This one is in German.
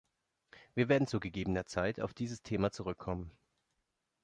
Wir werden zu gegebener Zeit auf dieses Thema zurückkommen.